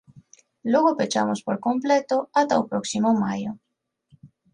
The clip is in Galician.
Logo pechamos por completo ata o próximo Maio.